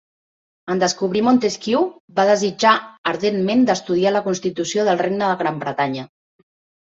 En descobrir Montesquieu va desitjar ardentment d'estudiar la constitució del regne de Gran Bretanya.